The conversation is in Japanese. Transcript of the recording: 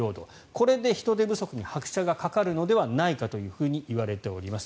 これで人手不足に拍車がかかるのではないかといわれております。